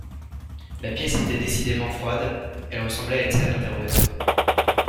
La pièce était décidément froide, elle ressemblait à une salle d’interrogatoire